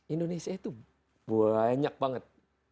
indonesia itu banyak banget